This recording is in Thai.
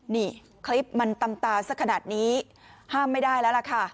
นี่คลิปมันตำตาสักขนาดนี้ห้ามไม่ได้แล้วล่ะค่ะ